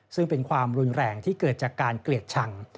ซึ่งเป็นความรุนแรงที่เกิดจากการเกลียดชัง